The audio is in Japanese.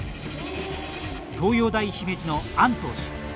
東洋大姫路のアン投手。